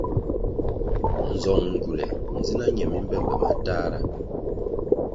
Nzong ngywule ndzina nye mi mbe mbe matahra.